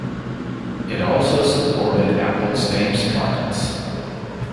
It also supported Apple's Game Sprockets.